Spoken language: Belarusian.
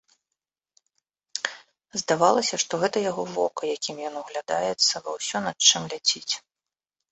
Здавалася, што гэта яго вока, якім ён углядаецца ва ўсё, над чым ляціць.